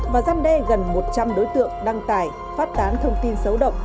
và gian đe gần một trăm linh đối tượng đăng tải phát tán thông tin xấu động